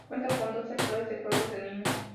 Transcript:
Cuenta con dos sectores de juegos de niños.